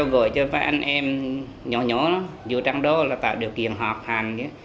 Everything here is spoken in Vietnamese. nói chung là anh em nhỏ nhỏ vừa trong đó là tạo điều kiện học hàn